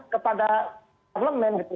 kepada parlemen gitu